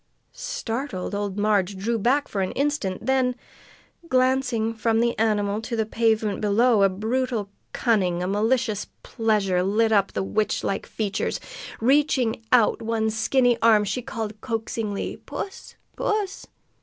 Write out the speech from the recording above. Startled, old Marg drew back for an instant; then, glancing from the animal to the pavement below, a brutal cunning, a malicious pleasure, lit up the witch like features. Reaching out one skinny arm, she called coaxingly: "Puss! Puss!"